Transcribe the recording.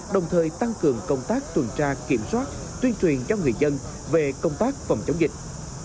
đồng thời tăng cường công tác tuần tra kiểm soát tuyên truyền cho người dân về công tác phòng chống dịch